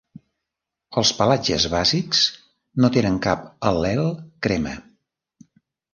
Els pelatges bàsics no tenen cap al·lel crema.